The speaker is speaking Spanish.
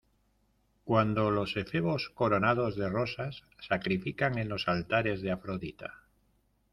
cuando los efebos coronados de rosas sacrifican en los altares de Afrodita.